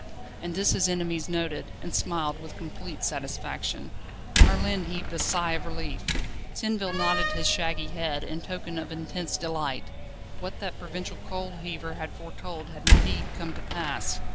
And this his enemies noted, and smiled with complete satisfaction. Merlin heaved a sigh of relief. Tinville nodded his shaggy head, in token of intense delight. What that provincial coal heaver had foretold had indeed come to pass.